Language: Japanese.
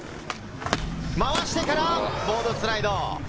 回してから、ボードスライド。